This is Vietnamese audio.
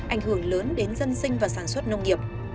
ảnh hưởng lớn đến dân sinh và sản xuất nông nghiệp